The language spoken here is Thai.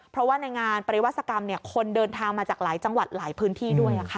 เพราะว่าในงานปริวัศกรรมคนเดินทางมาจากหลายจังหวัดหลายพื้นที่ด้วย